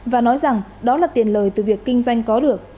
và nói rằng đó là tiền lời từ việc kinh doanh có được